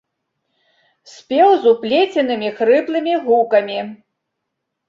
Спеў з уплеценымі хрыплымі гукамі.